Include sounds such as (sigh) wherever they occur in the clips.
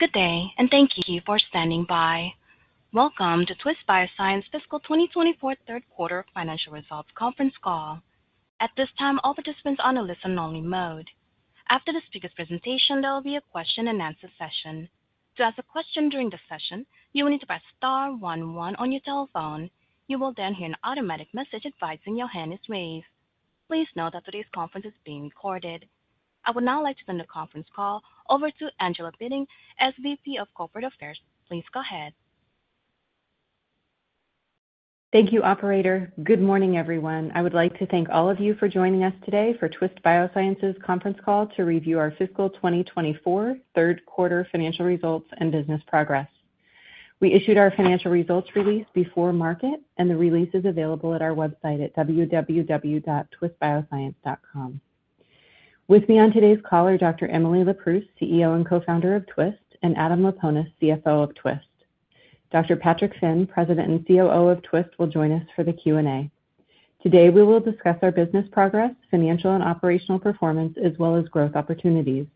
Good day, and thank you for standing by. Welcome to Twist Bioscience Fiscal 2024 third quarter financial results conference call. At this time, all participants are on a listen-only mode. After the speaker's presentation, there will be a question-and-answer session. To ask a question during the session, you will need to press star one one on your telephone. You will then hear an automatic message advising your hand is raised. Please note that today's conference is being recorded. I would now like to turn the conference call over to Angela Bitting, SVP of Corporate Affairs. Please go ahead. Thank you, Operator. Good morning, everyone. I would like to thank all of you for joining us today for Twist Bioscience's conference call to review our Fiscal 2024 Third Quarter Financial Results and Business Progress. We issued our financial results release before market, and the release is available at our website at www.twistbioscience.com. With me on today's call are Dr. Emily Leproust, CEO and co-founder of Twist, and Adam Laponis, CFO of Twist. Dr. Patrick Finn, President and COO of Twist, will join us for the Q&A. Today, we will discuss our business progress, financial and operational performance, as well as growth opportunities.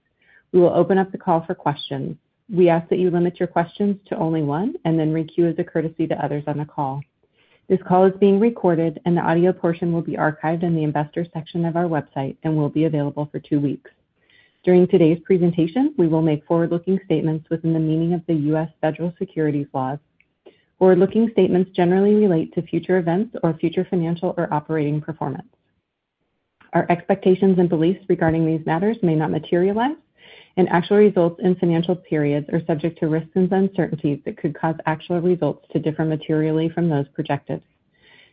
We will open up the call for questions. We ask that you limit your questions to only one and then requeue as a courtesy to others on the call. This call is being recorded, and the audio portion will be archived in the investor section of our website and will be available for two weeks. During today's presentation, we will make forward-looking statements within the meaning of the U.S. federal securities laws. Forward-looking statements generally relate to future events or future financial or operating performance. Our expectations and beliefs regarding these matters may not materialize, and actual results in financial periods are subject to risks and uncertainties that could cause actual results to differ materially from those projected.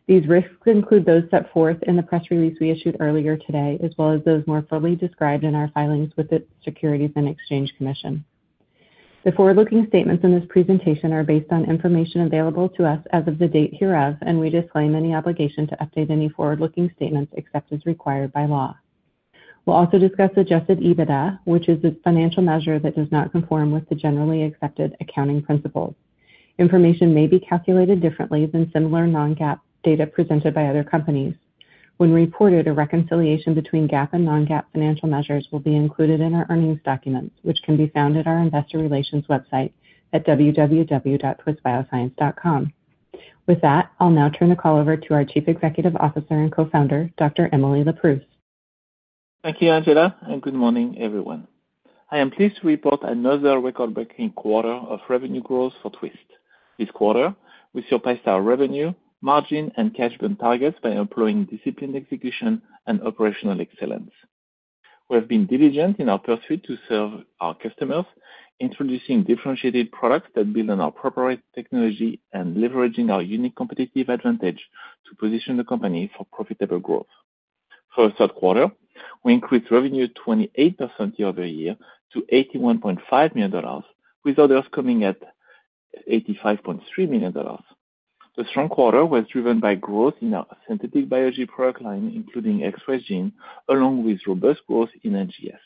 These risks include those set forth in the press release we issued earlier today, as well as those more fully described in our filings with the Securities and Exchange Commission. The forward-looking statements in this presentation are based on information available to us as of the date hereof, and we disclaim any obligation to update any forward-looking statements except as required by law. We'll also discuss Adjusted EBITDA, which is a financial measure that does not conform with the generally accepted accounting principles. Information may be calculated differently than similar non-GAAP data presented by other companies. When reported, a reconciliation between GAAP and non-GAAP financial measures will be included in our earnings documents, which can be found at our investor relations website at www.twistbioscience.com. With that, I'll now turn the call over to our Chief Executive Officer and co-founder, Dr. Emily Leproust. Thank you, Angela, and good morning, everyone. I am pleased to report another record-breaking quarter of revenue growth for Twist. This quarter, we surpassed our revenue, margin, and cash burn targets by employing disciplined execution and operational excellence. We have been diligent in our pursuit to serve our customers, introducing differentiated products that build on our proprietary technology and leveraging our unique competitive advantage to position the company for profitable growth. For the third quarter, we increased revenue 28% year-over-year to $81.5 million, with others coming at $85.3 million. The strong quarter was driven by growth in our synthetic biology product line, including Express Genes, along with robust growth in NGS.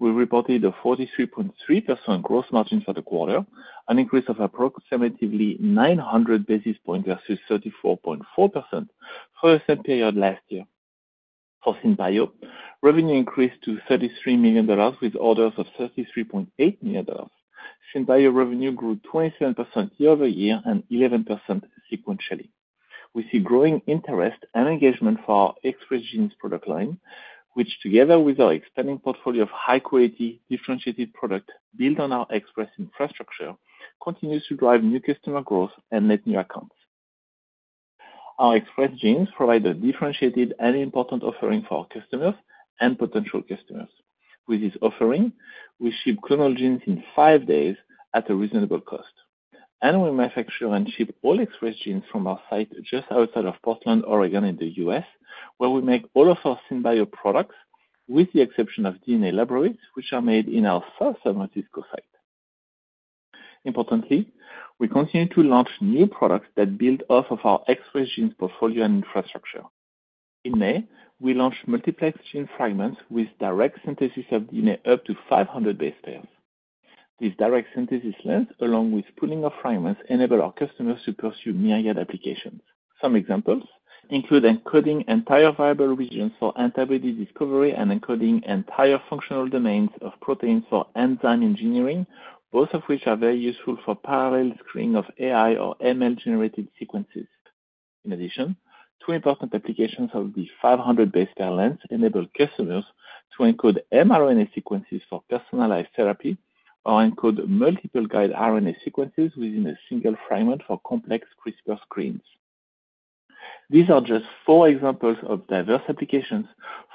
We reported a 43.3% gross margin for the quarter, an increase of approximately 900 basis points versus 34.4% for the same period last year. For SynBio, revenue increased to $33 million, with orders of $33.8 million. SynBio revenue grew 27% year-over-year and 11% sequentially. We see growing interest and engagement for our Express Genes product line, which, together with our expanding portfolio of high-quality, differentiated products built on our Express Genes infrastructure, continues to drive new customer growth and net new accounts. Our Express Genes provide a differentiated and important offering for our customers and potential customers. With this offering, we ship clonal genes in five days at a reasonable cost. And we manufacture and ship all Express Genes from our site just outside of Portland, Oregon, in the U.S., where we make all of our SynBio products, with the exception of DNA libraries, which are made in our South San Francisco site. Importantly, we continue to launch new products that build off of our Express Genes portfolio and infrastructure. In May, we launched multiplex gene fragments with direct synthesis of DNA up to 500 base pairs. This direct synthesis length, along with pulling of fragments, enables our customers to pursue myriad applications. Some examples include encoding entire variable regions for antibody discovery and encoding entire functional domains of proteins for enzyme engineering, both of which are very useful for parallel screening of AI or ML-generated sequences. In addition, two important applications of the 500 base pair length enable customers to encode mRNA sequences for personalized therapy or encode multiple guide RNA sequences within a single fragment for complex CRISPR screens. These are just four examples of diverse applications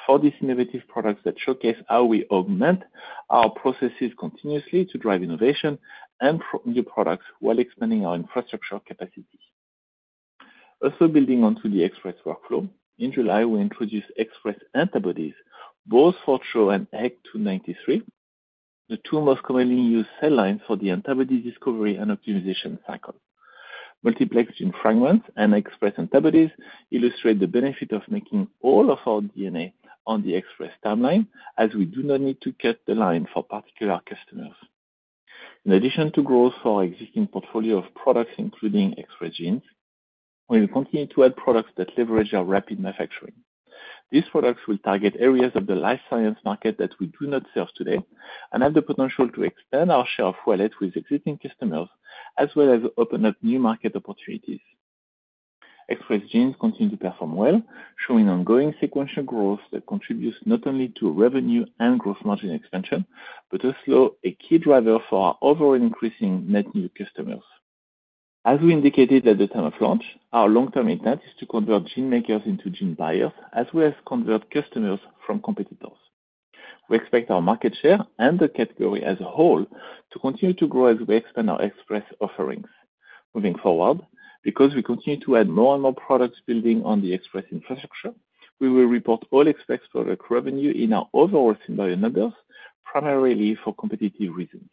for these innovative products that showcase how we augment our processes continuously to drive innovation and new products while expanding our infrastructure capacity. Also, building onto the Express workflow, in July, we introduced Express Antibodies, both CHO and HEK293, the two most commonly used cell lines for the antibody discovery and optimization cycle. Multiplex gene fragments and Express Antibodies illustrate the benefit of making all of our DNA on the Express timeline, as we do not need to cut the line for particular customers. In addition to growth for our existing portfolio of products, including Express Genes, we will continue to add products that leverage our rapid manufacturing. These products will target areas of the life science market that we do not serve today and have the potential to expand our share of wallet with existing customers, as well as open up new market opportunities. Express Genes continue to perform well, showing ongoing sequential growth that contributes not only to revenue and gross margin expansion, but also a key driver for our overall increasing net new customers. As we indicated at the time of launch, our long-term intent is to convert gene makers into gene buyers, as well as convert customers from competitors. We expect our market share and the category as a whole to continue to grow as we expand our Express offerings. Moving forward, because we continue to add more and more products building on the Express infrastructure, we will report all Express product revenue in our overall SynBio numbers, primarily for competitive reasons.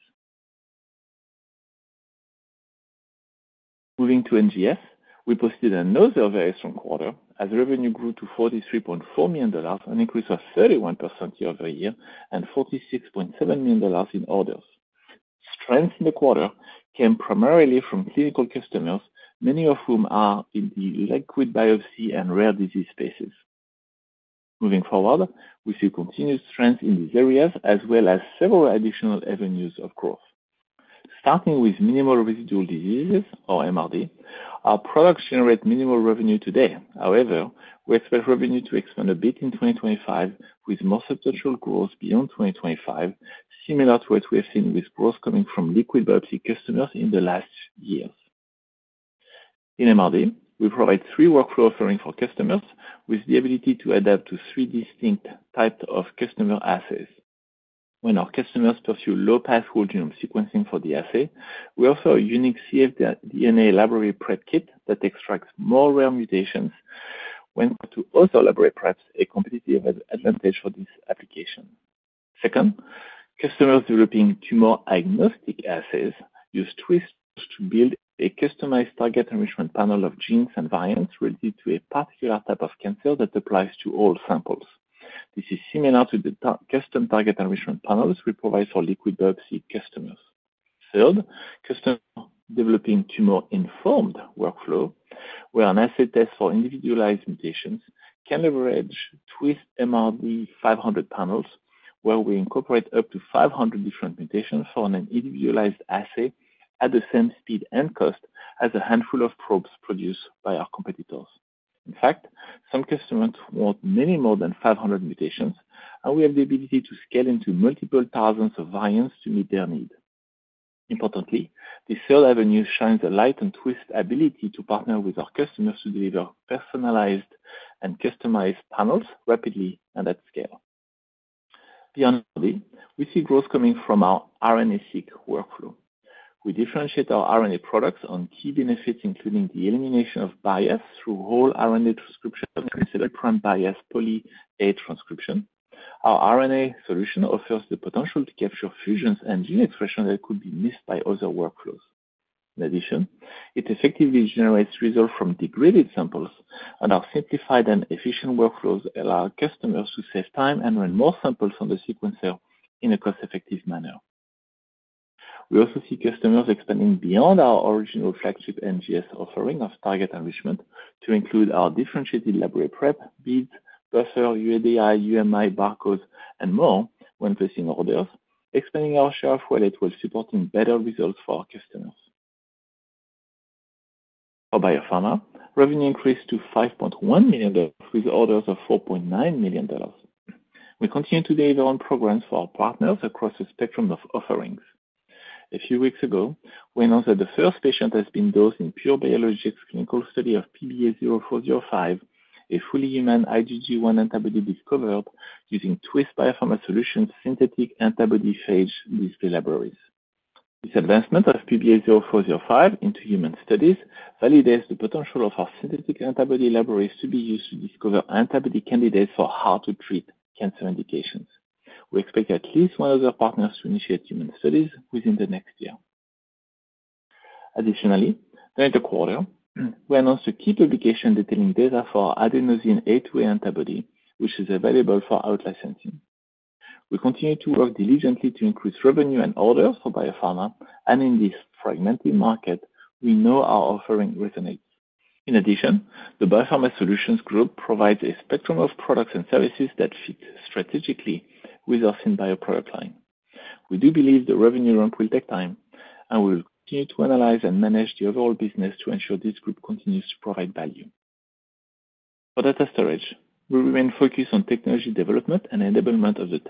Moving to NGS, we posted another very strong quarter, as revenue grew to $43.4 million, an increase of 31% year-over-year, and $46.7 million in orders. Strength in the quarter came primarily from clinical customers, many of whom are in the liquid biopsy and rare disease spaces. Moving forward, we see continued strength in these areas, as well as several additional avenues of growth. Starting with Minimal Residual Disease, or MRD, our products generate minimal revenue today. However, we expect revenue to expand a bit in 2025, with more substantial growth beyond 2025, similar to what we have seen with growth coming from liquid biopsy customers in the last years. In MRD, we provide three workflow offerings for customers, with the ability to adapt to three distinct types of customer assays. When our customers pursue low-pass whole genome sequencing for the assay, we offer a unique cfDNA library prep kit that extracts more rare mutations when compared to other library preps, a competitive advantage for this application. Second, customers developing tumor agnostic assays use Twist to build a customized target enrichment panel of genes and variants related to a particular type of cancer that applies to all samples. This is similar to the custom target enrichment panels we provide for liquid biopsy customers. Third, customers developing tumor-informed workflow, where an assay tests for individualized mutations, can leverage Twist MRD 500 panels, where we incorporate up to 500 different mutations for an individualized assay at the same speed and cost as a handful of probes produced by our competitors. In fact, some customers want many more than 500 mutations, and we have the ability to scale into multiple thousands of variants to meet their need. Importantly, this third avenue shines a light on Twist's ability to partner with our customers to deliver personalized and customized panels rapidly and at scale. Beyond MRD, we see growth coming from our RNA-seq workflow. We differentiate our RNA products on key benefits, including the elimination of bias through whole RNA transcription and (audio distortion) poly-A transcription. Our RNA solution offers the potential to capture fusions and gene expression that could be missed by other workflows. In addition, it effectively generates results from degraded samples, and our simplified and efficient workflows allow customers to save time and run more samples on the sequencer in a cost-effective manner. We also see customers expanding beyond our original flagship NGS offering of target enrichment to include our differentiated library prep, beads, buffer, UDI, UMI, barcodes, and more when placing orders, expanding our share of wallet while supporting better results for our customers. For biopharma, revenue increased to $5.1 million with orders of $4.9 million. We continue to deliver on programs for our partners across the spectrum of offerings. A few weeks ago, we announced that the first patient has been dosed in Pure Biologics clinical study of PBA-0405, a fully human IgG1 antibody discovered using Twist Biopharma Solutions' synthetic antibody phage display libraries. This advancement of PBA-0405 into human studies validates the potential of our synthetic antibody libraries to be used to discover antibody candidates for how to treat cancer indications. We expect at least one of our partners to initiate human studies within the next year. Additionally, during the quarter, we announced a key publication detailing data for adenosine A2A antibody, which is available for out-licensing. We continue to work diligently to increase revenue and orders for biopharma, and in this fragmented market, we know our offering resonates. In addition, the Biopharma Solutions Group provides a spectrum of products and services that fit strategically with our SynBio product line. We do believe the revenue ramp will take time, and we will continue to analyze and manage the overall business to ensure this group continues to provide value. For data storage, we remain focused on technology development and enablement of the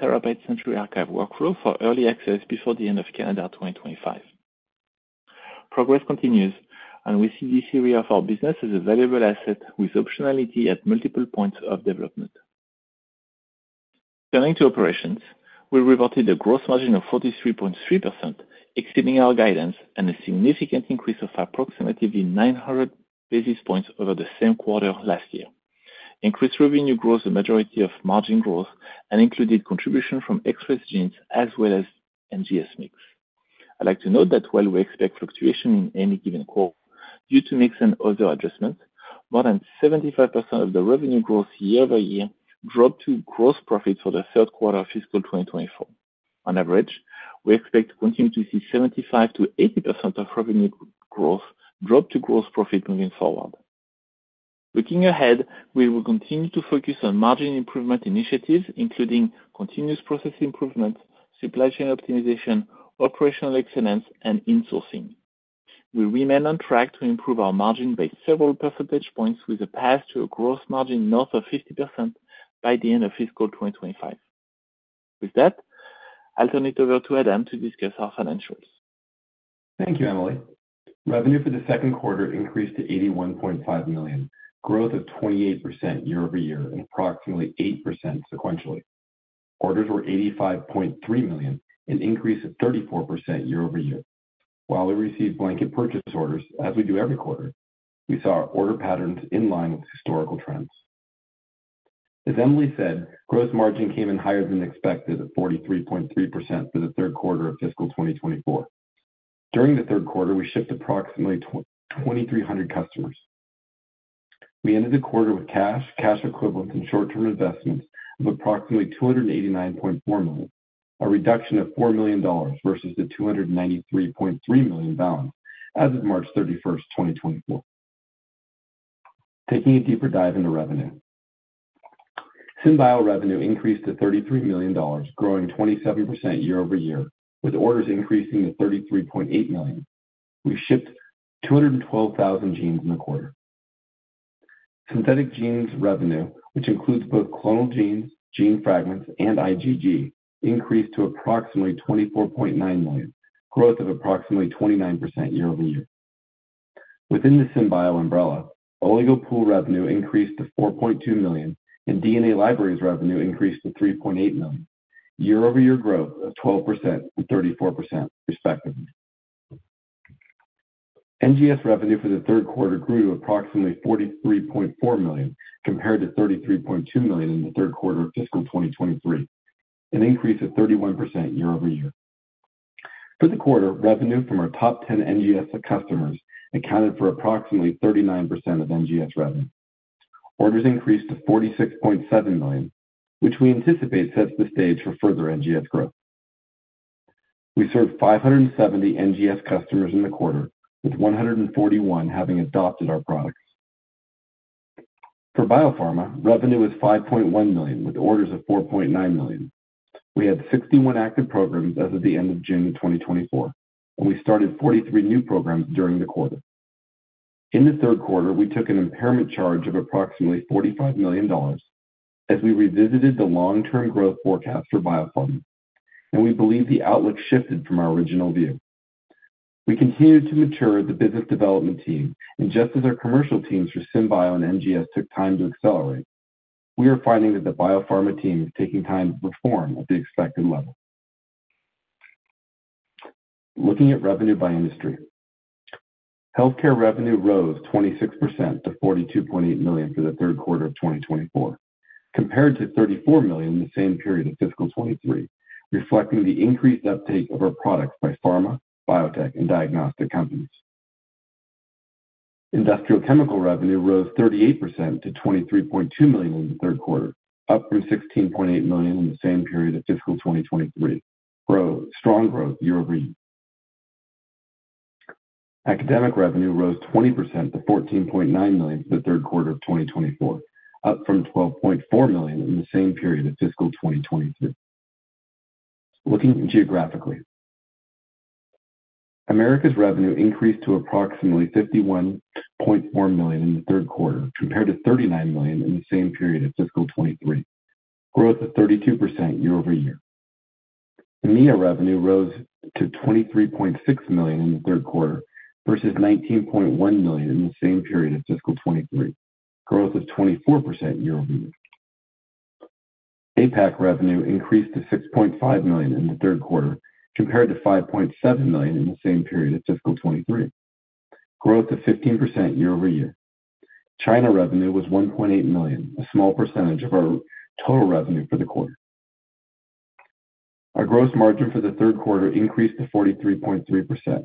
Century Archive workflow for early access before the end of calendar 2025. Progress continues, and we see this area of our business as a valuable asset with optionality at multiple points of development. Turning to operations, we reported a gross margin of 43.3%, exceeding our guidance, and a significant increase of approximately 900 basis points over the same quarter last year. Increased revenue grows the majority of margin growth and included contribution from Express Genes as well as NGS mix. I'd like to note that while we expect fluctuation in any given quarter due to mix and other adjustments, more than 75% of the revenue growth year-over-year dropped to gross profit for the third quarter of fiscal 2024. On average, we expect to continue to see 75%-80% of revenue growth drop to gross profit moving forward. Looking ahead, we will continue to focus on margin improvement initiatives, including continuous process improvements, supply chain optimization, operational excellence, and insourcing. We remain on track to improve our margin by several percentage points, with a path to a gross margin north of 50% by the end of fiscal 2025. With that, I'll turn it over to Adam to discuss our financials. Thank you, Emily. Revenue for the second quarter increased to $81.5 million, growth of 28% year-over-year and approximately 8% sequentially. Orders were $85.3 million, an increase of 34% year-over-year. While we received blanket purchase orders, as we do every quarter, we saw our order patterns in line with historical trends. As Emily said, gross margin came in higher than expected at 43.3% for the third quarter of fiscal 2024. During the third quarter, we shipped approximately 2,300 customers. We ended the quarter with cash, cash equivalents, and short-term investments of approximately $289.4 million, a reduction of $4 million versus the $293.3 million balance as of March 31st, 2024. Taking a deeper dive into revenue, SynBio revenue increased to $33 million, growing 27% year-over-year, with orders increasing to $33.8 million. We shipped 212,000 genes in the quarter. Synthetic genes revenue, which includes both clonal genes, gene fragments, and IgG, increased to approximately $24.9 million, growth of approximately 29% year-over-year. Within the SynBio umbrella, Oligo Pool revenue increased to $4.2 million, and DNA libraries revenue increased to $3.8 million, year-over-year growth of 12% and 34%, respectively. NGS revenue for the third quarter grew to approximately $43.4 million, compared to $33.2 million in the third quarter of fiscal 2023, an increase of 31% year-over-year. For the quarter, revenue from our top 10 NGS customers accounted for approximately 39% of NGS revenue. Orders increased to $46.7 million, which we anticipate sets the stage for further NGS growth. We served 570 NGS customers in the quarter, with 141 having adopted our products. For Biopharma, revenue was $5.1 million, with orders of $4.9 million. We had 61 active programs as of the end of June 2024, and we started 43 new programs during the quarter. In the third quarter, we took an impairment charge of approximately $45 million as we revisited the long-term growth forecast for biopharma, and we believe the outlook shifted from our original view. We continued to mature the business development team, and just as our commercial teams for SynBio and NGS took time to accelerate, we are finding that the biopharma team is taking time to perform at the expected level. Looking at revenue by industry, healthcare revenue rose 26% to $42.8 million for the third quarter of 2024, compared to $34 million in the same period of fiscal 2023, reflecting the increased uptake of our products by pharma, biotech, and diagnostic companies. Industrial chemical revenue rose 38% to $23.2 million in the third quarter, up from $16.8 million in the same period of fiscal 2023, strong growth year-over-year. Academic revenue rose 20% to $14.9 million for the third quarter of 2024, up from $12.4 million in the same period of fiscal 2023. Looking geographically, Americas revenue increased to approximately $51.4 million in the third quarter, compared to $39 million in the same period of fiscal 2023, growth of 32% year-over-year. EMEA revenue rose to $23.6 million in the third quarter versus $19.1 million in the same period of fiscal 2023, growth of 24% year-over-year. APAC revenue increased to $6.5 million in the third quarter, compared to $5.7 million in the same period of fiscal 2023, growth of 15% year-over-year. China revenue was $1.8 million, a small percentage of our total revenue for the quarter. Our gross margin for the third quarter increased to 43.3%.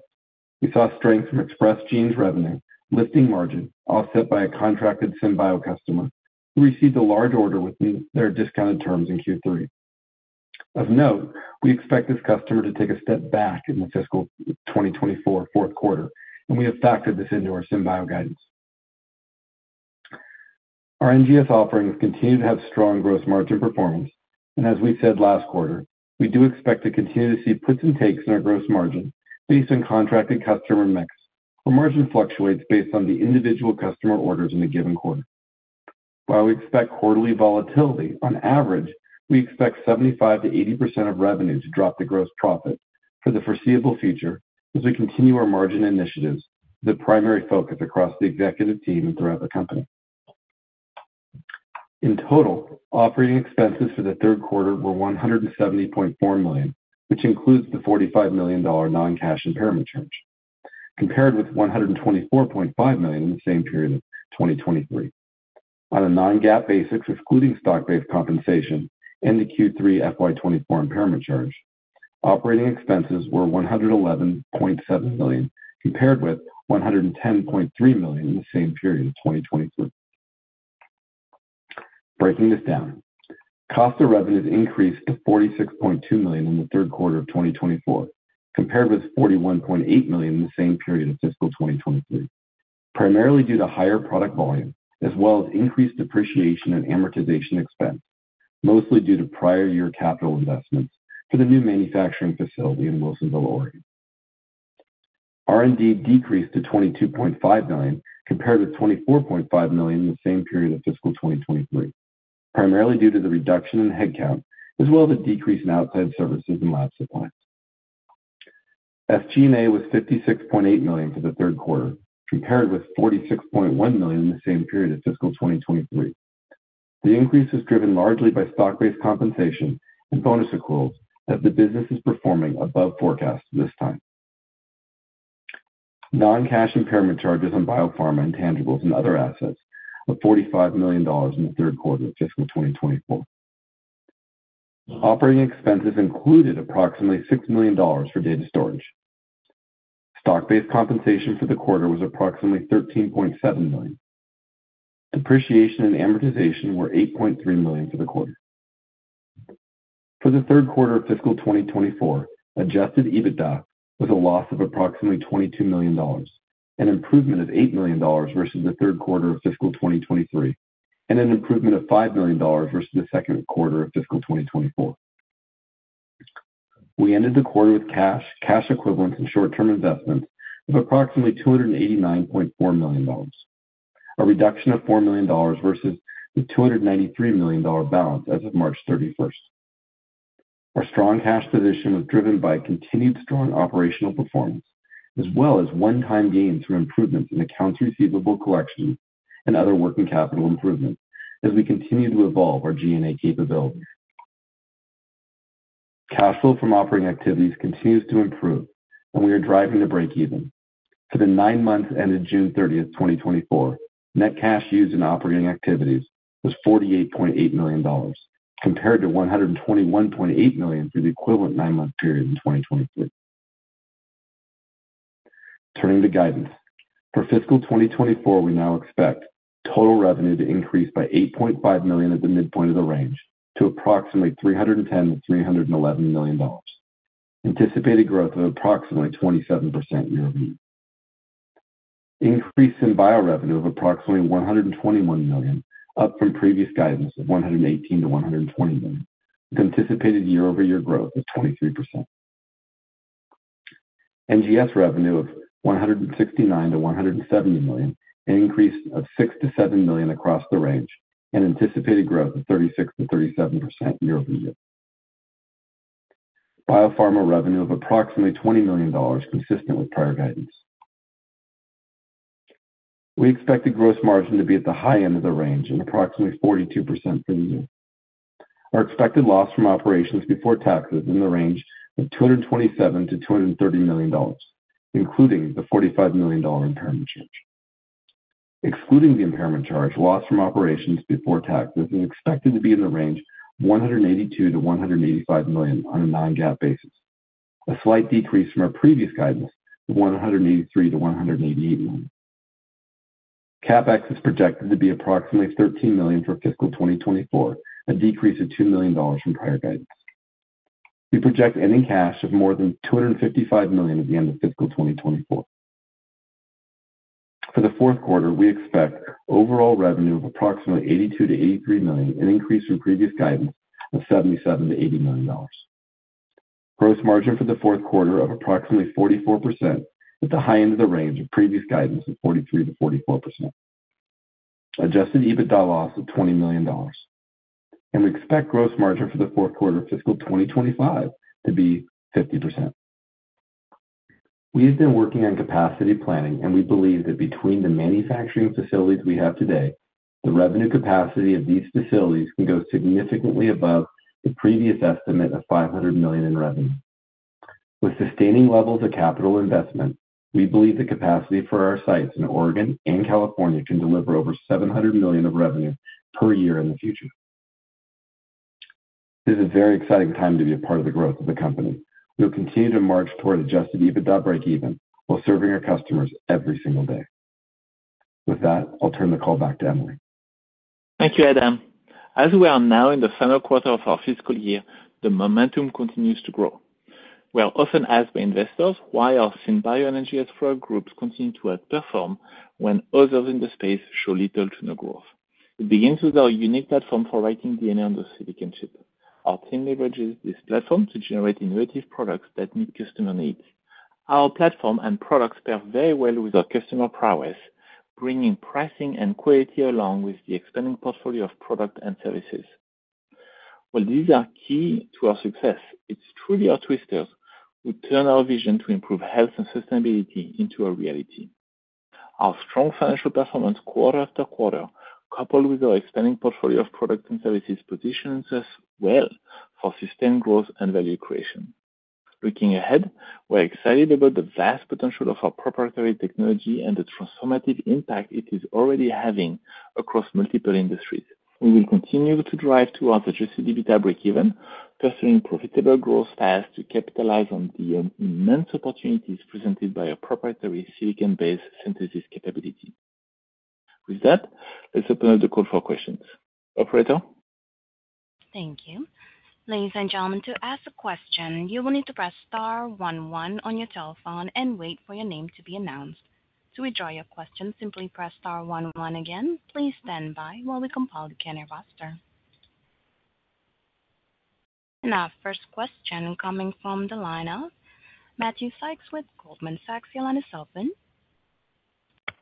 We saw strength from Express Genes revenue, lifting margin, offset by a contracted SynBio customer who received a large order with their discounted terms in Q3. Of note, we expect this customer to take a step back in the fiscal 2024 fourth quarter, and we have factored this into our SynBio guidance. Our NGS offerings continue to have strong gross margin performance, and as we said last quarter, we do expect to continue to see puts and takes in our gross margin based on contracted customer mix, where margin fluctuates based on the individual customer orders in the given quarter. While we expect quarterly volatility, on average, we expect 75%-80% of revenue to drop to gross profit for the foreseeable future as we continue our margin initiatives, the primary focus across the executive team and throughout the company. In total, operating expenses for the third quarter were $170.4 million, which includes the $45 million non-cash impairment charge, compared with $124.5 million in the same period of 2023. On a non-GAAP basis, excluding stock-based compensation and the Q3 FY24 impairment charge, operating expenses were $111.7 million, compared with $110.3 million in the same period of 2023. Breaking this down, cost of revenue increased to $46.2 million in the third quarter of 2024, compared with $41.8 million in the same period of fiscal 2023, primarily due to higher product volume, as well as increased depreciation and amortization expense, mostly due to prior year capital investments for the new manufacturing facility in Wilsonville, Oregon. R&D decreased to $22.5 million, compared with $24.5 million in the same period of fiscal 2023, primarily due to the reduction in headcount, as well as a decrease in outside services and lab supplies. SG&A was $56.8 million for the third quarter, compared with $46.1 million in the same period of fiscal 2023. The increase was driven largely by stock-based compensation and bonus accruals as the business is performing above forecasts this time. Non-cash impairment charges on biopharma and intangibles and other assets of $45 million in the third quarter of fiscal 2024. Operating expenses included approximately $6 million for data storage. Stock-based compensation for the quarter was approximately $13.7 million. Depreciation and amortization were $8.3 million for the quarter. For the third quarter of fiscal 2024, Adjusted EBITDA was a loss of approximately $22 million, an improvement of $8 million versus the third quarter of fiscal 2023, and an improvement of $5 million versus the second quarter of fiscal 2024. We ended the quarter with cash, cash equivalents, and short-term investments of approximately $289.4 million, a reduction of $4 million versus the $293 million balance as of March 31. Our strong cash position was driven by continued strong operational performance, as well as one-time gains from improvements in accounts receivable collection and other working capital improvements as we continue to evolve our G&A capabilities. Cash flow from operating activities continues to improve, and we are driving the breakeven. For the nine months ended June 30th, 2024, net cash used in operating activities was $48.8 million, compared to $121.8 million through the equivalent nine-month period in 2023. Turning to guidance, for fiscal 2024, we now expect total revenue to increase by $8.5 million at the midpoint of the range to approximately $310 million-$311 million, anticipated growth of approximately 27% year-over-year. Increase in SynBio revenue of approximately $121 million, up from previous guidance of $118 million-$120 million, with anticipated year-over-year growth of 23%. NGS revenue of $169 million-$170 million, an increase of $6 million-$7 million across the range, and anticipated growth of 36%-37% year-over-year. Biopharma revenue of approximately $20 million, consistent with prior guidance. We expect the gross margin to be at the high end of the range and approximately 42% for the year. Our expected loss from operations before taxes is in the range of $227 million-$230 million, including the $45 million impairment charge. Excluding the impairment charge, loss from operations before taxes is expected to be in the range of $182 million-$185 million on a non-GAAP basis, a slight decrease from our previous guidance of $183 million-$188 million. CapEx is projected to be approximately $13 million for fiscal 2024, a decrease of $2 million from prior guidance. We project ending cash of more than $255 million at the end of fiscal 2024. For the fourth quarter, we expect overall revenue of approximately $82 million-$83 million, an increase from previous guidance of $77 million-$80 million. Gross margin for the fourth quarter of approximately 44% at the high end of the range of previous guidance of 43%-44%. Adjusted EBITDA loss of $20 million. We expect gross margin for the fourth quarter of fiscal 2025 to be 50%. We have been working on capacity planning, and we believe that between the manufacturing facilities we have today, the revenue capacity of these facilities can go significantly above the previous estimate of $500 million in revenue. With sustaining levels of capital investment, we believe the capacity for our sites in Oregon and California can deliver over $700 million of revenue per year in the future. This is a very exciting time to be a part of the growth of the company. We'll continue to march toward Adjusted EBITDA breakeven while serving our customers every single day. With that, I'll turn the call back to Emily. Thank you, Adam. As we are now in the final quarter of our fiscal year, the momentum continues to grow. We are often asked by investors why our SynBio and NGS groups continue to outperform when others in the space show little to no growth. It begins with our unique platform for writing DNA on the silicon chip. Our team leverages this platform to generate innovative products that meet customer needs. Our platform and products pair very well with our customer prowess, bringing pricing and quality along with the expanding portfolio of products and services. While these are key to our success, it's truly our twisters who turn our vision to improve health and sustainability into a reality. Our strong financial performance quarter after quarter, coupled with our expanding portfolio of products and services, positions us well for sustained growth and value creation. Looking ahead, we're excited about the vast potential of our proprietary technology and the transformative impact it is already having across multiple industries. We will continue to drive towards Adjusted EBITDA breakeven, pursuing profitable growth paths to capitalize on the immense opportunities presented by our proprietary silicon-based synthesis capability. With that, let's open up the call for questions. Operator? Thank you. Ladies and gentlemen, to ask a question, you will need to press star one one on your telephone and wait for your name to be announced. To withdraw your question, simply press star one one again. Please stand by while we compile the caller roster. Our first question coming from the lineup, Matthew Sykes with Goldman Sachs.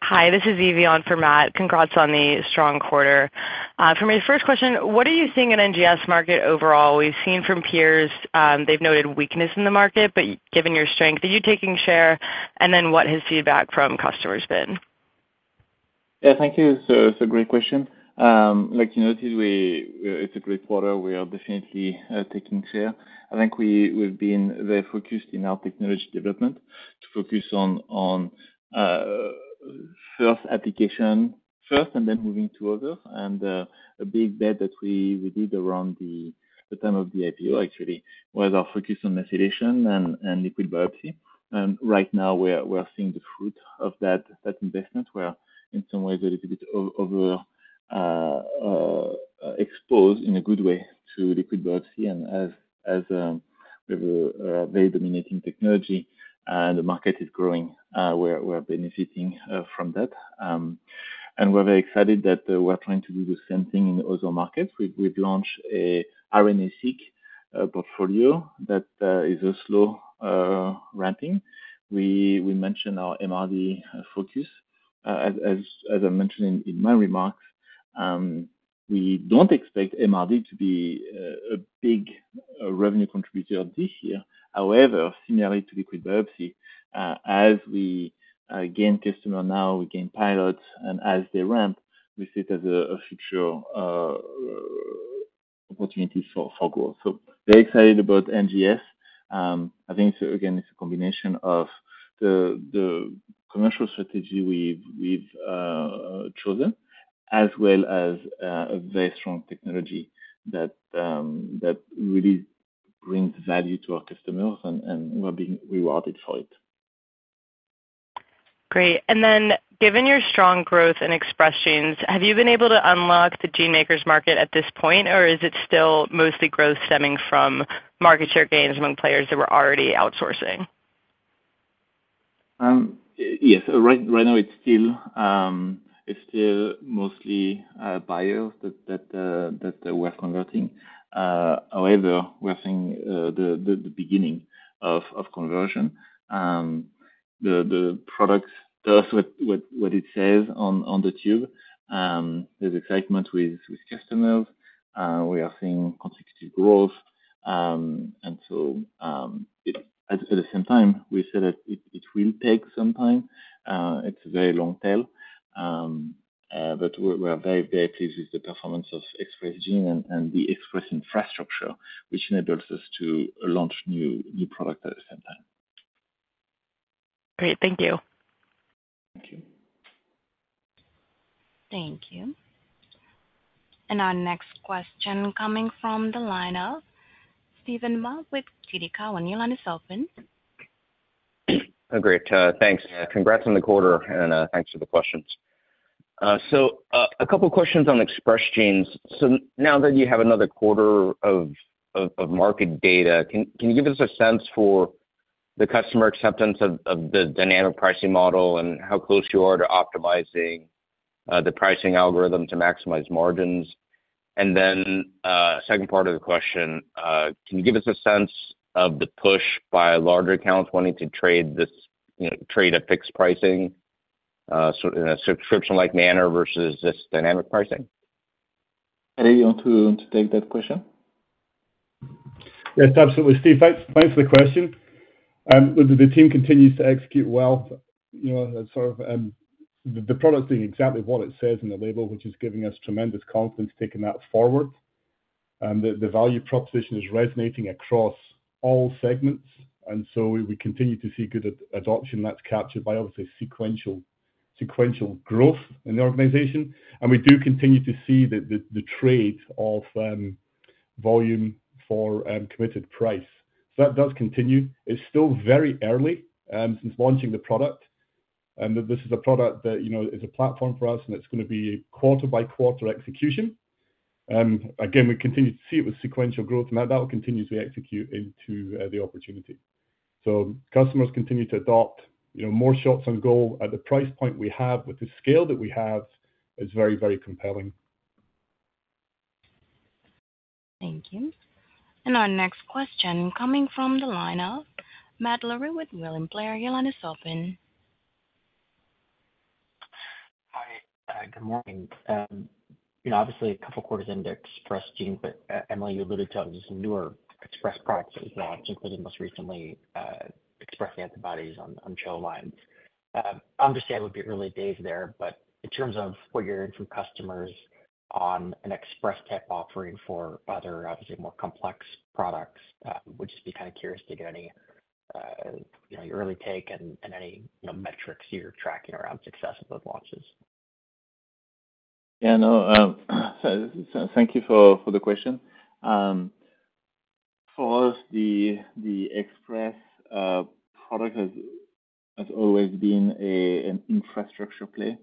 Hi, this is Evy for Matt. Congrats on the strong quarter. For my first question, what are you seeing in NGS market overall? We've seen from peers, they've noted weakness in the market, but given your strength, are you taking share? And then what has feedback from customers been? Yeah, thank you. It's a great question. Like you noted, it's a great quarter. We are definitely taking share. I think we've been very focused in our technology development to focus on first application, first, and then moving to others. A big bet that we did around the time of the IPO, actually, was our focus on methylation and liquid biopsy. Right now, we're seeing the fruit of that investment. We're, in some ways, a little bit over-exposed in a good way to liquid biopsy. As we have a very dominating technology and the market is growing, we're benefiting from that. We're very excited that we're trying to do the same thing in other markets. We've launched an RNA-seq portfolio that is a slow ramping. We mentioned our MRD focus. As I mentioned in my remarks, we don't expect MRD to be a big revenue contributor this year. However, similar to liquid biopsy, as we gain customers now, we gain pilots. As they ramp, we see it as a future opportunity for growth. Very excited about NGS. I think, again, it's a combination of the commercial strategy we've chosen, as well as a very strong technology that really brings value to our customers, and we're being rewarded for it. Great. And then, given your strong growth in Express Genes, have you been able to unlock the gene makers market at this point, or is it still mostly growth stemming from market share gains among players that were already outsourcing? Yes. Right now, it's still mostly buyers that we're converting. However, we're seeing the beginning of conversion. The product does what it says on the tube. There's excitement with customers. We are seeing consecutive growth. And so, at the same time, we said it will take some time. It's a very long tail. But we're very, very pleased with the performance of Express Genes and the Express infrastructure, which enables us to launch new products at the same time. Great. Thank you. Thank you. Thank you. And our next question coming from the lineup, Steven Mah with TD Cowen. Great. Thanks. Congrats on the quarter, and thanks for the questions. So a couple of questions on Express Genes. So now that you have another quarter of market data, can you give us a sense for the customer acceptance of the dynamic pricing model and how close you are to optimizing the pricing algorithm to maximize margins? And then second part of the question, can you give us a sense of the push by larger accounts wanting to trade a fixed pricing in a subscription-like manner versus just dynamic pricing? Are you on to take that question? Yes, absolutely. Steve, thanks for the question. The team continues to execute well. The product is doing exactly what it says in the label, which is giving us tremendous confidence taking that forward. The value proposition is resonating across all segments. And so we continue to see good adoption that's captured by, obviously, sequential growth in the organization. And we do continue to see the trade of volume for committed price. So that does continue. It's still very early since launching the product. This is a product that is a platform for us, and it's going to be quarter-by-quarter execution. Again, we continue to see it with sequential growth, and that will continue as we execute into the opportunity. So customers continue to adopt. More shots on goal at the price point we have with the scale that we have is very, very compelling. Thank you. And our next question coming from the lineup, Matt Larew with William Blair, J.P. Morgan. Hi. Good morning. Obviously, a couple of quarters into Express Genes, but Emily, you alluded to some newer Express products that we've launched, including most recently Express Antibodies on CHO lines. Obviously, it would be early days there, but in terms of what you're hearing from customers on an Express type offering for other, obviously, more complex products, we'd just be kind of curious to get your early take and any metrics you're tracking around success of those launches. Yeah, no. Thank you for the question. For us, the Express product has always been an infrastructure play.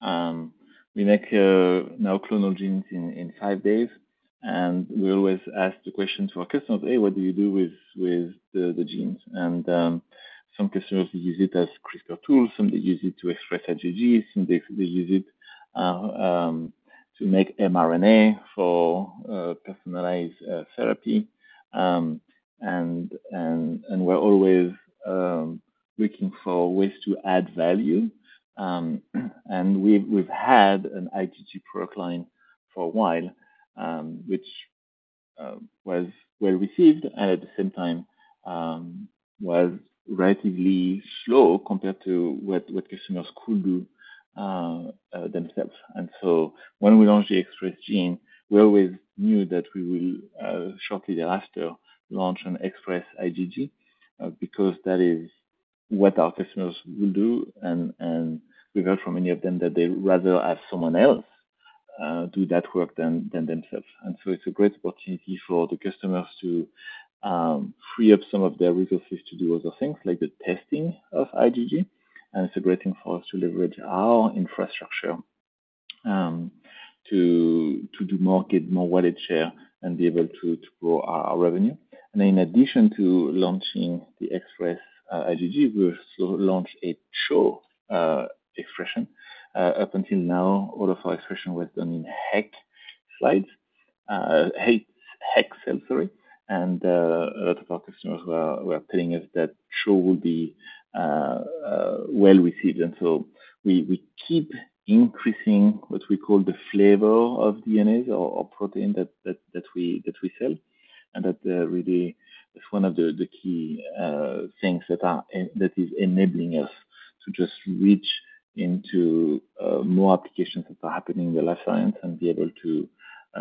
We now make clonal genes in five days, and we always ask the question to our customers, "Hey, what do you do with the genes?" And some customers use it as CRISPR tools. Some use it to express IgG. Some use it to make mRNA for personalized therapy. And we're always looking for ways to add value. And we've had an IgG product line for a while, which was well received and at the same time was relatively slow compared to what customers could do themselves. And so when we launched the Express Genes, we always knew that we will shortly thereafter launch an Express IgG because that is what our customers will do. And we've heard from many of them that they'd rather have someone else do that work than themselves. And so it's a great opportunity for the customers to free up some of their resources to do other things, like the testing of IgG. And it's a great thing for us to leverage our infrastructure to get more wallet share and be able to grow our revenue. In addition to launching the Express IgG, we've launched a CHO expression. Up until now, all of our expression was done in HEK293 cells. A lot of our customers were telling us that CHO will be well received. So we keep increasing what we call the flavor of DNA or protein that we sell. And that's one of the key things that is enabling us to just reach into more applications that are happening in the life sciences and be able to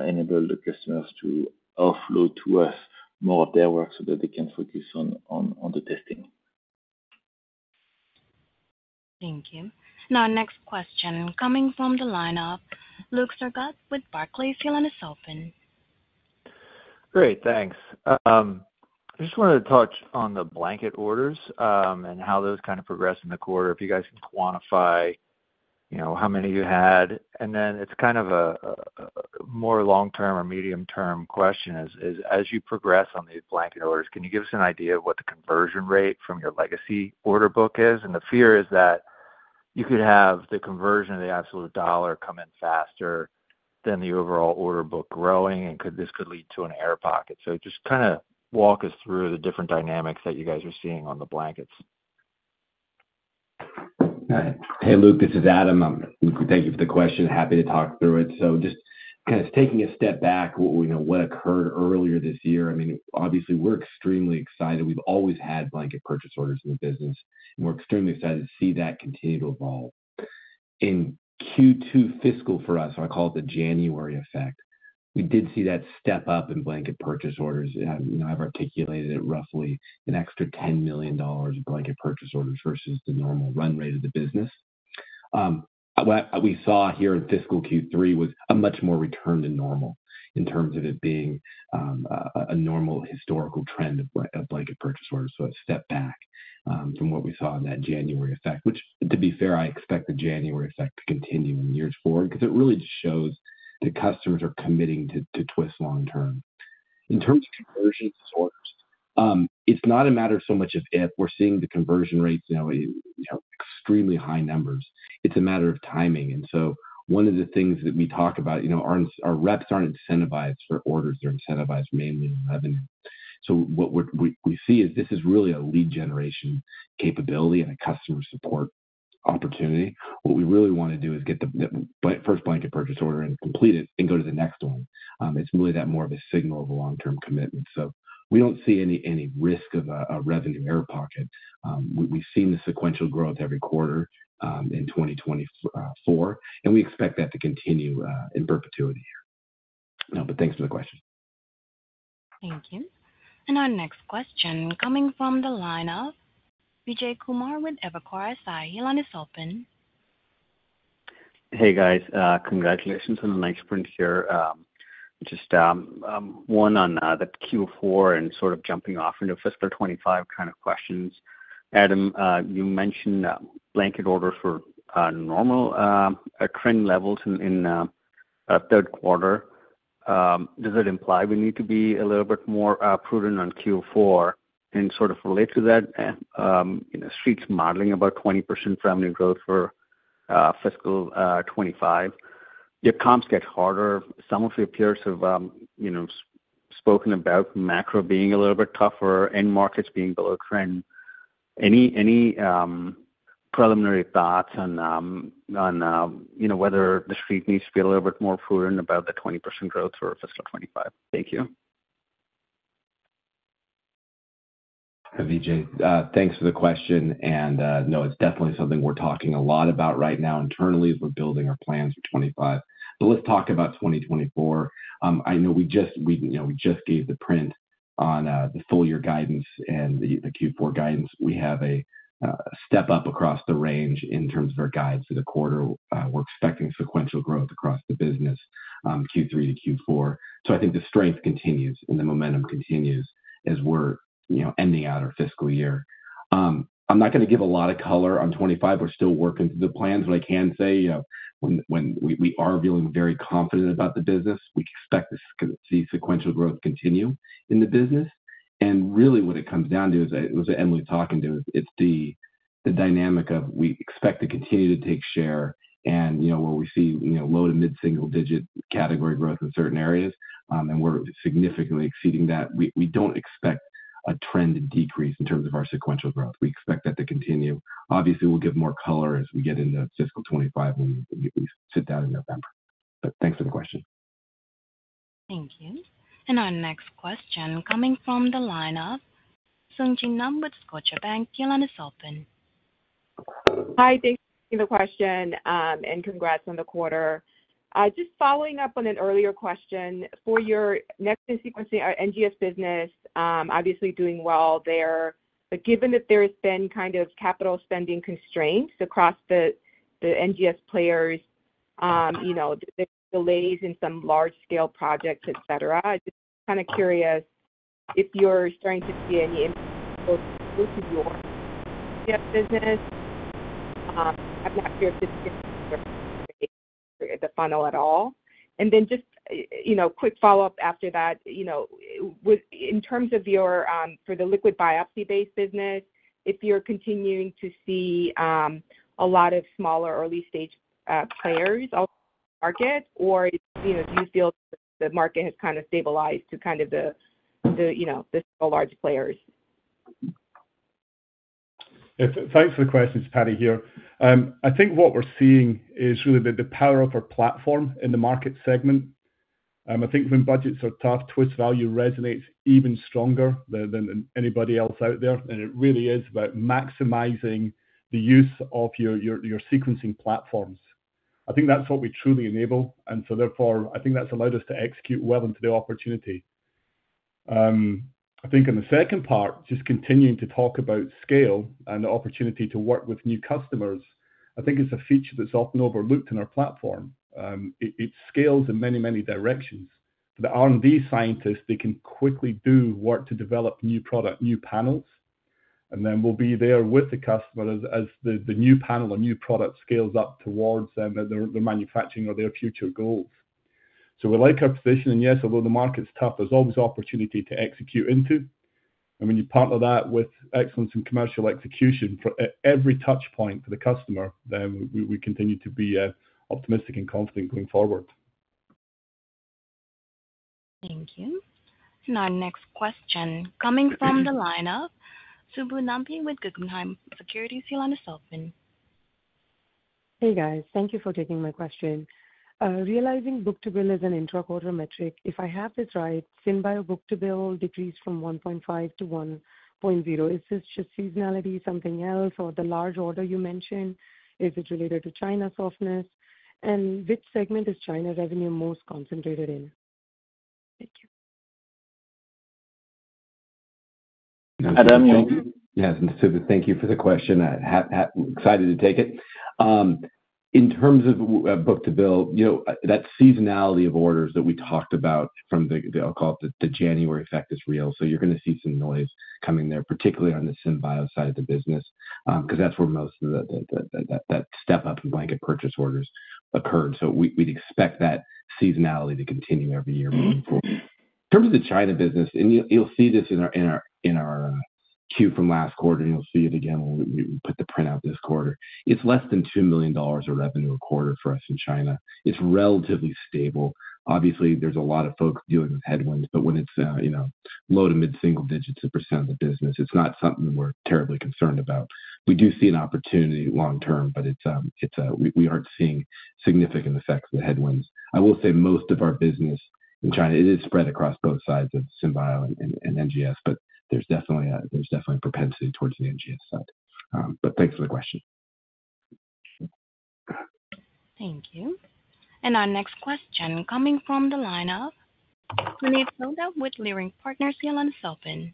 enable the customers to offload to us more of their work so that they can focus on the testing. Thank you. Now, our next question coming from the lineup, Luke Sergott with Barclays. Your line is open. Great. Thanks. I just wanted to touch on the blanket orders and how those kind of progressed in the quarter, if you guys can quantify how many you had. Then it's kind of a more long-term or medium-term question: as you progress on these blanket orders, can you give us an idea of what the conversion rate from your legacy order book is? The fear is that you could have the conversion of the absolute dollar come in faster than the overall order book growing, and this could lead to an air pocket. So just kind of walk us through the different dynamics that you guys are seeing on the blankets. Hey, Luke, this is Adam. Thank you for the question. Happy to talk through it. So just kind of taking a step back, what occurred earlier this year, I mean, obviously, we're extremely excited. We've always had blanket purchase orders in the business, and we're extremely excited to see that continue to evolve. In Q2 fiscal for us, I call it the January effect, we did see that step up in blanket purchase orders. I've articulated it roughly an extra $10 million in blanket purchase orders versus the normal run rate of the business. What we saw here in fiscal Q3 was a much more return to normal in terms of it being a normal historical trend of blanket purchase orders. So a step back from what we saw in that January effect, which, to be fair, I expect the January effect to continue in years forward because it really just shows that customers are committing to Twist long-term. In terms of conversions and orders, it's not a matter so much of if. We're seeing the conversion rates now in extremely high numbers. It's a matter of timing. So one of the things that we talk about, our reps aren't incentivized for orders. They're incentivized mainly in revenue. So what we see is this is really a lead generation capability and a customer support opportunity. What we really want to do is get the first blanket purchase order and complete it and go to the next one. It's really that more of a signal of a long-term commitment. So we don't see any risk of a revenue air pocket. We've seen the sequential growth every quarter in 2024, and we expect that to continue in perpetuity here. But thanks for the question. Thank you. And our next question coming from the lineup, Vijay Kumar with Evercore ISI. Your line is open. Hey, guys. Congratulations on the nice sprint here. Just one on the Q4 and sort of jumping off into fiscal 2025 kind of questions. Adam, you mentioned blanket orders for normal trend levels in third quarter. Does it imply we need to be a little bit more prudent on Q4? And sort of relate to that, street's modeling about 20% revenue growth for fiscal 2025. Your comps get harder. Some of your peers have spoken about macro being a little bit tougher and markets being below trend. Any preliminary thoughts on whether the street needs to be a little bit more prudent about the 20% growth for fiscal 2025? Thank you. Hi, Vijay. Thanks for the question. And no, it's definitely something we're talking a lot about right now internally as we're building our plans for 2025. But let's talk about 2024. I know we just gave the print on the full year guidance and the Q4 guidance. We have a step up across the range in terms of our guides for the quarter. We're expecting sequential growth across the business Q3-Q4. So I think the strength continues and the momentum continues as we're ending out our fiscal year. I'm not going to give a lot of color on 2025. We're still working through the plans. What I can say, when we are feeling very confident about the business, we expect to see sequential growth continue in the business. And really, what it comes down to, as Emily was talking to, it's the dynamic of we expect to continue to take share. And where we see low to mid-single-digit category growth in certain areas, and we're significantly exceeding that, we don't expect a trend decrease in terms of our sequential growth. We expect that to continue. Obviously, we'll give more color as we get into fiscal 2025 when we sit down in November. But thanks for the question. Thank you. And our next question coming from the lineup, Sung Ji Nam with Scotiabank. Your line is open. Hi. Thank you for the question. And congrats on the quarter. Just following up on an earlier question, for your NGS and sequencing NGS business, obviously doing well there. But given that there's been kind of capital spending constraints across the NGS players, there's delays in some large-scale projects, etc., I'm just kind of curious if you're starting to see any impact both to your NGS business. I'm not sure if this gets to the final at all. And then just quick follow-up after that. In terms of for the liquid biopsy-based business, if you're continuing to see a lot of smaller early-stage players market, or do you feel the market has kind of stabilized to kind of the small, large players? Thanks for the questions, Patrick, here. I think what we're seeing is really the power of our platform in the market segment. I think when budgets are tough, Twist value resonates even stronger than anybody else out there. And it really is about maximizing the use of your sequencing platforms. I think that's what we truly enable. And so therefore, I think that's allowed us to execute well into the opportunity. I think in the second part, just continuing to talk about scale and the opportunity to work with new customers, I think it's a feature that's often overlooked in our platform. It scales in many, many directions. For the R&D scientists, they can quickly do work to develop new product, new panels. And then we'll be there with the customer as the new panel or new product scales up towards their manufacturing or their future goals. So we like our position. Yes, although the market's tough, there's always opportunity to execute into. And when you partner that with excellence in commercial execution for every touchpoint for the customer, then we continue to be optimistic and confident going forward. Thank you. Our next question coming from the line of Subbu Nambi with Guggenheim Securities. Hey, guys. Thank you for taking my question. Realizing book-to-bill is an intra-quarter metric. If I have this right, SynBio book-to-bill decreased from 1.5-1.0. Is this just seasonality, something else, or the large order you mentioned? Is it related to China softness? And which segment is China revenue most concentrated in? Thank you. Adam. (audio distortion) Yes. And Subbu, thank you for the question. Excited to take it. In terms of book-to-bill, that seasonality of orders that we talked about from the, I'll call it the January effect, is real. So you're going to see some noise coming there, particularly on the SynBio side of the business, because that's where most of that step-up in blanket purchase orders occurred. So we'd expect that seasonality to continue every year moving forward. In terms of the China business, and you'll see this in our queue from last quarter, and you'll see it again when we put the print out this quarter, it's less than $2 million of revenue a quarter for us in China. It's relatively stable. Obviously, there's a lot of folks dealing with headwinds, but when it's low to mid-single digits percent of the business, it's not something we're terribly concerned about. We do see an opportunity long-term, but we aren't seeing significant effects of the headwinds. I will say most of our business in China is spread across both sides of SynBio and NGS, but there's definitely a propensity towards the NGS side. But thanks for the question. Thank you. And our next question coming from the lineup, Puneet Souda with Leerink Partners. Your line is open.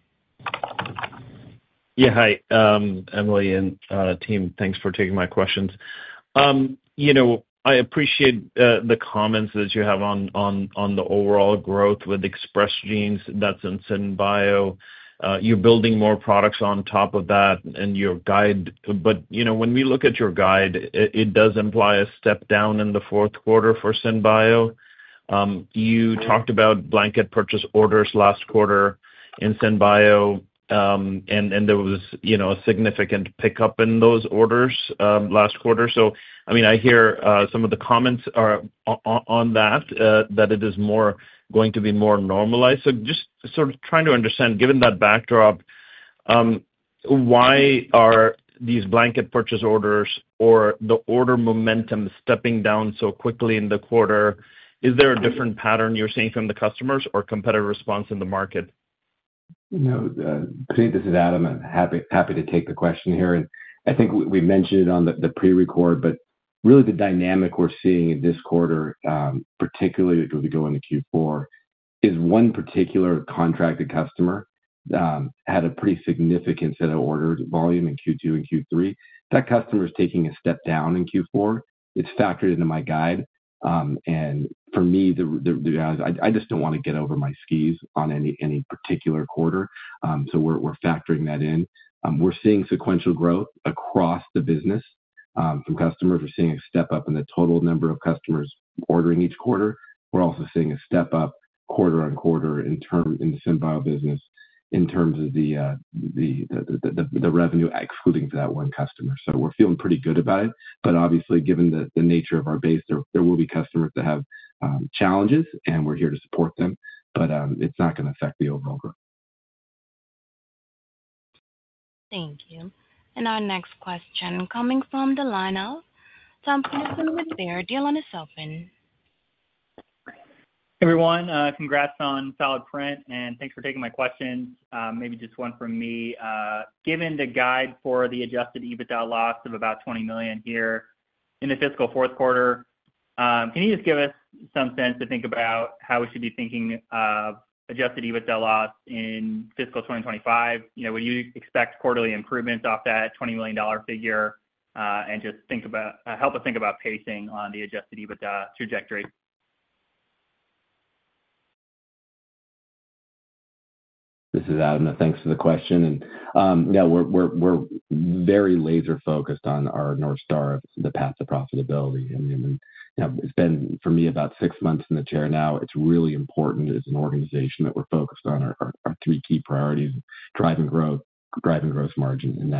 Yeah. Hi, Emily and team. Thanks for taking my questions. I appreciate the comments that you have on the overall growth with Express Genes. That's in SynBio. You're building more products on top of that in your guide. But when we look at your guide, it does imply a step down in the fourth quarter for SynBio. You talked about blanket purchase orders last quarter in SynBio, and there was a significant pickup in those orders last quarter. So, I mean, I hear some of the comments on that, that it is going to be more normalized. So just sort of trying to understand, given that backdrop, why are these blanket purchase orders or the order momentum stepping down so quickly in the quarter? Is there a different pattern you're seeing from the customers or competitive response in the market? No. This is Adam. I'm happy to take the question here. And I think we mentioned it on the prerecord, but really the dynamic we're seeing in this quarter, particularly as we go into Q4, is one particular contracted customer had a pretty significant set of orders volume in Q2 and Q3. That customer is taking a step down in Q4. It's factored into my guide. And for me, I just don't want to get over my skis on any particular quarter. So we're factoring that in. We're seeing sequential growth across the business. From customers, we're seeing a step up in the total number of customers ordering each quarter. We're also seeing a step up quarter-over-quarter in the SynBio business in terms of the revenue excluding for that one customer. So we're feeling pretty good about it. But obviously, given the nature of our base, there will be customers that have challenges, and we're here to support them. But it's not going to affect the overall growth. Thank you. And our next question coming from the lineup, Tom Peterson with Baird. Hey, everyone. Congrats on solid print, and thanks for taking my questions. Maybe just one from me. Given the guide for the Adjusted EBITDA loss of about $20 million here in the fiscal fourth quarter, can you just give us some sense to think about how we should be thinking of Adjusted EBITDA loss in fiscal 2025? Would you expect quarterly improvements off that $20 million figure? And just help us think about pacing on the Adjusted EBITDA trajectory. This is Adam. Thanks for the question. And yeah, we're very laser-focused on our North Star of the path to profitability. And it's been, for me, about six months in the chair now. It's really important as an organization that we're focused on our three key priorities: driving growth, driving gross margin,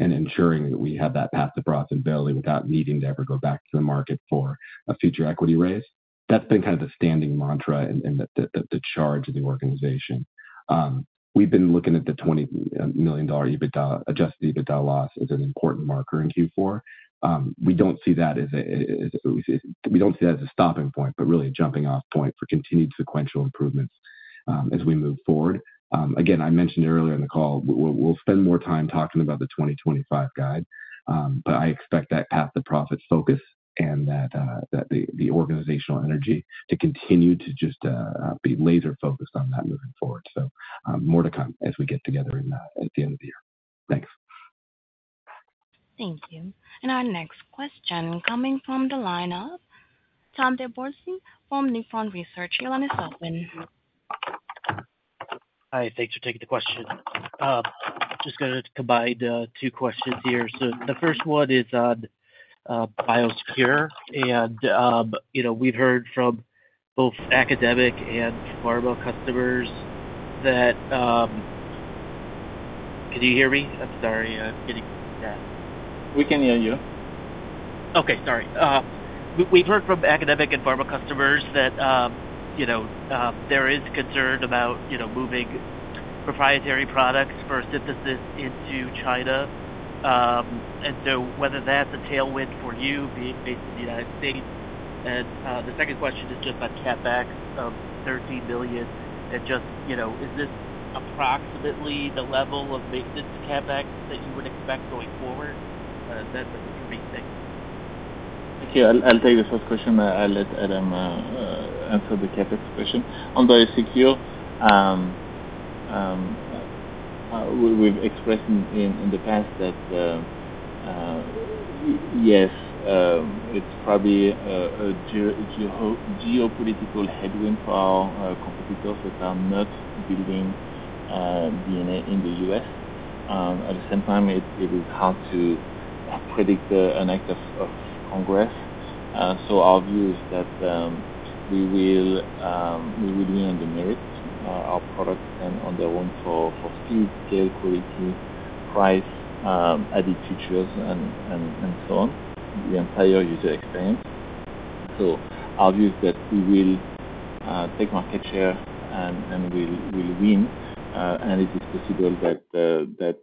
and ensuring that we have that path to profitability without needing to ever go back to the market for a future equity raise. That's been kind of the standing mantra and the charge of the organization. We've been looking at the $20 million Adjusted EBITDA loss as an important marker in Q4. We don't see that as a stopping point, but really a jumping-off point for continued sequential improvements as we move forward. Again, I mentioned earlier in the call, we'll spend more time talking about the 2025 guide. But I expect that path to profit focus and that the organizational energy to continue to just be laser-focused on that moving forward. So more to come as we get together at the end of the year. Thanks. Thank you. And our next question coming from the lineup, Tom DeBourcy from Nephron Research. Your line is open. Hi. Thanks for taking the question. Just going to combine two questions here. So the first one is on BIOSECURE. And we've heard from both academic and pharma customers that. Can you hear me? I'm sorry. We can hear you. Okay. Sorry. We've heard from academic and pharma customers that there is concern about moving proprietary products for synthesis into China. So whether that's a tailwind for you being based in the United States. The second question is just on CapEx of $13 billion. Is this approximately the level of maintenance CapEx that you would expect going forward? That's a big thing. Thank you. I'll take the first question. I'll let Adam answer the CapEx question. On BIOSECURE, we've expressed in the past that, yes, it's probably a geopolitical headwind for our competitors that are not building DNA in the U.S. At the same time, it is hard to predict an act of Congress. Our view is that we will win on the merits. Our products stand on their own for field scale, quality, price, added features, and so on, the entire user experience. So our view is that we will take market share and we'll win. And it is possible that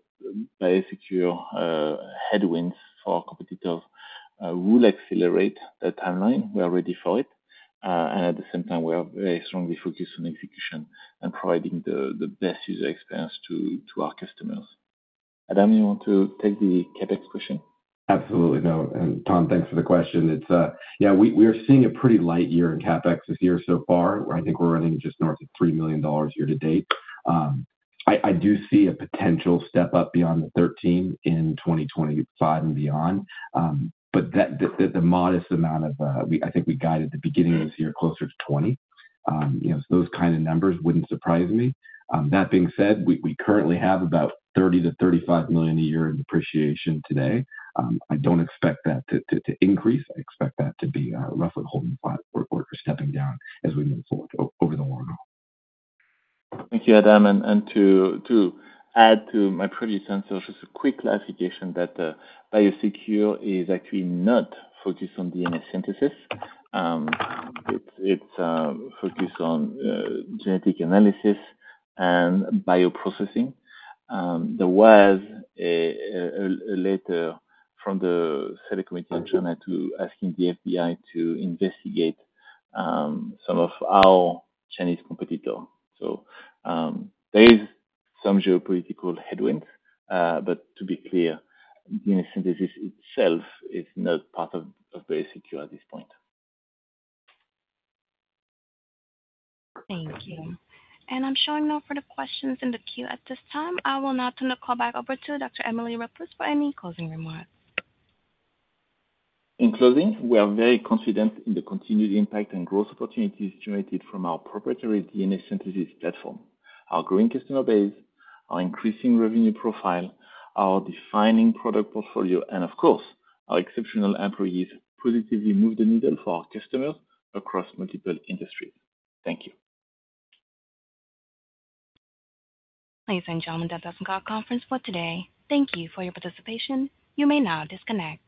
BIOSECURE headwinds for our competitors will accelerate that timeline. We're ready for it. And at the same time, we are very strongly focused on execution and providing the best user experience to our customers. Adam, you want to take the CapEx question? Absolutely. And Tom, thanks for the question. Yeah, we are seeing a pretty light year in CapEx this year so far. I think we're running just north of $3 million year to date. I do see a potential step up beyond the $13 million in 2025 and beyond. But the modest amount of—I think we guided the beginning of this year closer to $20 million. Those kind of numbers wouldn't surprise me. That being said, we currently have about $30 million-$35 million a year in depreciation today. I don't expect that to increase. I expect that to be roughly holding flat or stepping down as we move forward over the long haul. Thank you, Adam. To add to my previous answer, just a quick clarification that the BIOSECURE Act is actually not focused on DNA synthesis. It's focused on genetic analysis and bioprocessing. There was a letter from the Senate Committee in China asking the FBI to investigate some of our Chinese competitors. So there is some geopolitical headwinds. But to be clear, DNA synthesis itself is not part of the BIOSECURE Act at this point. Thank you. I'm showing no further questions in the queue at this time. I will now turn the call back over to Dr. Emily Leproust for any closing remarks. In closing, we are very confident in the continued impact and growth opportunities generated from our proprietary DNA synthesis platform, our growing customer base, our increasing revenue profile, our defining product portfolio, and of course, our exceptional employees positively move the needle for our customers across multiple industries. Thank you. Ladies and gentlemen, that concludes the conference call for today. Thank you for your participation. You may now disconnect.